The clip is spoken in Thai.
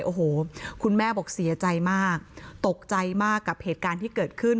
โอ้โหคุณแม่บอกเสียใจมากตกใจมากกับเหตุการณ์ที่เกิดขึ้น